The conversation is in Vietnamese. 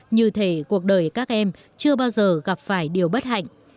như thể cuộc đời các em chưa bao giờ gặp phải điều bất hạnh